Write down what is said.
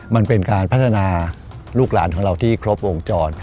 มันเป็นการพัฒนาลูกหลานของเราที่ครบวงจร